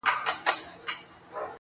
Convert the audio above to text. هڅه د بریا حقیقت دی.